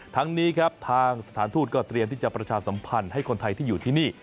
ทั้งนี้ครับทางสถานทูตก็เตรียมที่จะประชาสัมพันธ์ให้คนไทยที่อยู่ที่นี่